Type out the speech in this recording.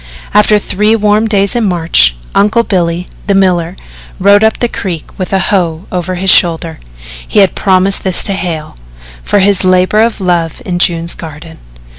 After three warm days in March, Uncle Billy, the miller, rode up the creek with a hoe over his shoulder he had promised this to Hale for his labour of love in June's garden.